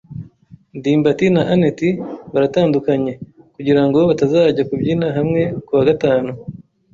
ndimbati na anet baratandukanye, kugirango batazajya kubyina hamwe kuwa gatanu.